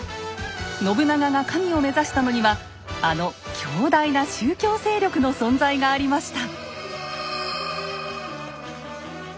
信長が神を目指したのにはあの強大な宗教勢力の存在がありました。